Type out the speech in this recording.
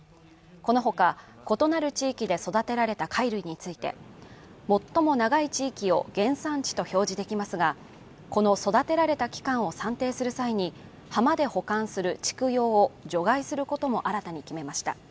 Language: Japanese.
このほか異なる地域で育てられた貝類について最も長い地域を原産地と表示できますがこの育てられた期間を算定する際に浜で保管する畜養を除外することも新たに決めました